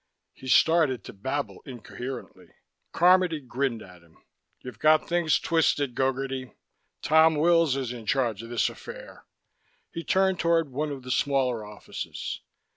He started to babble incoherently. Carmody grinned at him. "You've got things twisted, Gogarty. Tom Wills is in charge of this affair." He turned toward one of the smaller offices.